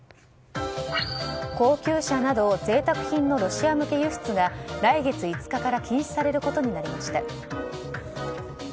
高級車など贅沢品のロシア向け輸出が来月５日から禁止されることになりました。